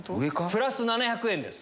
プラス７００円です。